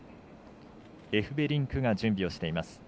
エフベリンクが準備をしています。